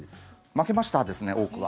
負けました、ですね多くは。